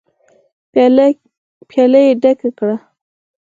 پياله يې ډکه کړه.